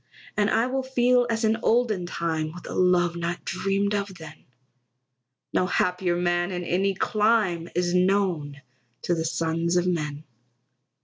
And I will feel as in olden time, With a love not dreamed of then; No happier man in any clime Is known to the sons of men.